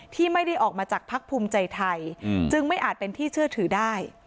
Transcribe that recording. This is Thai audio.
ที่ไม่ได้ออกมาจากพักภูมิใจไทยจึงไม่อาจเป็นที่เชื่อถือได้